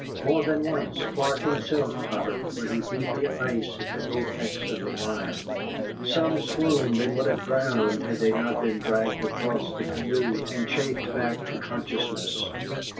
More than once Clark himself tottered where he beat the ice at the apex of the line. Some swooned and would have drowned had they not been dragged across the canoe and chafed back to consciousness.